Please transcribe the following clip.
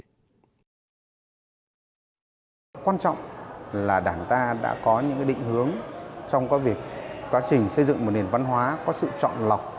quan trọng là đảng ta đã có những định hướng trong quá trình quá trình xây dựng một nền văn hóa có sự chọn lọc